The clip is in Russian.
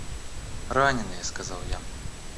— Раненые, — сказал я.